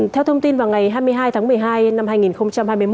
theo thông tin vào ngày hai mươi hai tháng một mươi hai năm hai nghìn hai mươi một